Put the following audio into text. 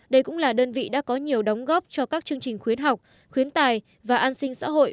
đây cũng là đơn vị đã có nhiều đóng góp cho các chương trình khuyến học khuyến tài và an sinh xã hội